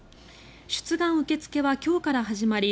出願受け付けは今日から始まり